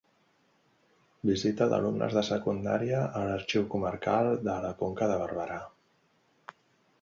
Visita d'alumnes de secundària a l'Arxiu Comarcal de la Conca de Barberà.